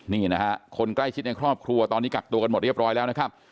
นี่นะฮะคนใกล้ชิดในครอบครัวตอนนี้กักตัวกันหมดเรียบร้อยแล้วนะครับ